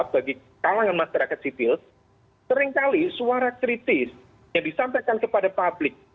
bagi kalangan masyarakat sipil seringkali suara kritis yang disampaikan kepada publik